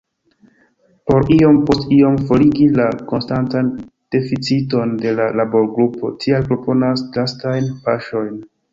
Por iom post iom forigi la konstantan deficiton la laborgrupo tial proponas drastajn paŝojn.